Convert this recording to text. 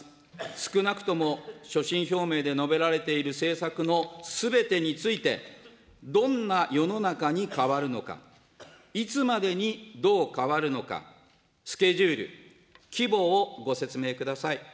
少なくとも、所信表明で述べられている政策のすべてについて、どんな世の中に変わるのか、いつまでにどう変わるのか、スケジュール、規模をご説明ください。